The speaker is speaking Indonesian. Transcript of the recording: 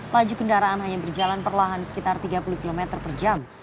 laju kendaraan hanya berjalan perlahan sekitar tiga puluh km per jam